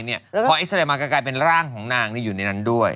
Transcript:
พอเอ็กซาเรย์มาก็กลายเป็นร่างของนางอยู่ในนั้นด้วย